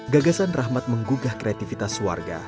gagasan rahmat menggugah kreativitas warga